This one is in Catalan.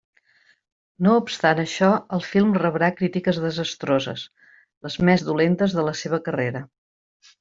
No obstant això el film rebrà crítiques desastroses, les més dolentes de la seva carrera.